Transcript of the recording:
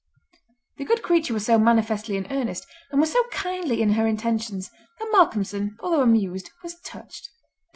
The good creature was so manifestly in earnest, and was so kindly in her intentions, that Malcolmson, although amused, was touched.